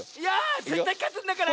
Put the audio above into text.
ぜったいかつんだから！